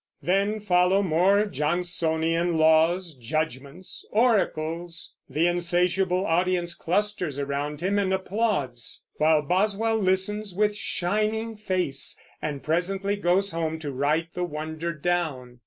Then follow more Johnsonian laws, judgments, oracles; the insatiable audience clusters around him and applauds; while Boswell listens, with shining face, and presently goes home to write the wonder down.